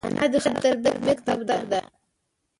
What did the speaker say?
انا د ښه تربیت مکتب ده